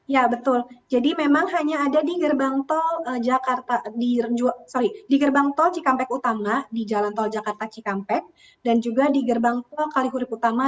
ya betul jadi memang hanya ada di gerbang tol jakarta sorry di gerbang tol cikampek utama di jalan tol jakarta cikampek dan juga di gerbang tol kalihurip utama